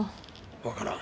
わからん。